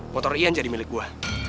motor ian jadi milik buah